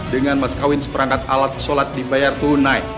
dengan mas kawin seperangkat alat sholat dibayar tunai